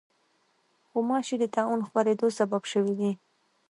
غوماشې د طاعون د خپرېدو سبب شوې دي.